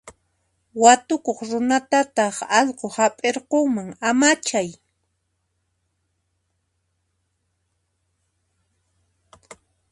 Watukuq runatataq allqu hap'irqunman, amachay.